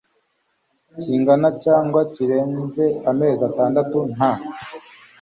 kingana cyangwa kirenze amezi atandatu nta